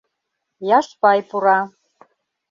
Яшпай пура.